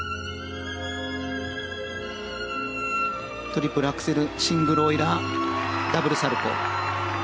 トリプルアクセルシングルオイラーダブルサルコウ。